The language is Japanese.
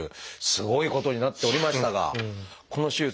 すごいことになっておりましたがこの手術